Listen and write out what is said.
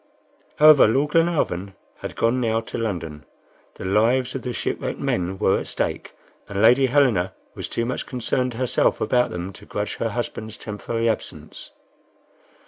However, Lord Glenarvan had gone now to London. The lives of the shipwrecked men were at stake, and Lady Helena was too much concerned herself about them to grudge her husband's temporary absence.